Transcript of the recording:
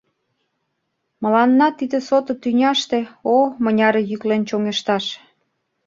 Мыланна тиде сото тӱняште, О, мыняре йӱклен чоҥешташ!